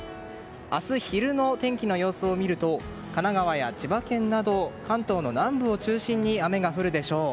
明日昼の天気の様子を見ると神奈川や千葉県など関東の南部を中心に雨が降るでしょう。